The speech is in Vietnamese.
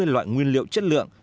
bốn mươi loại nguyên liệu chất lượng